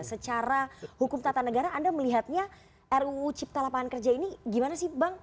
secara hukum tata negara anda melihatnya ruu cipta lapangan kerja ini gimana sih bang